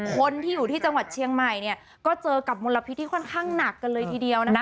คนที่อยู่ที่จังหวัดเชียงใหม่เนี่ยก็เจอกับมลพิษที่ค่อนข้างหนักกันเลยทีเดียวนะคะ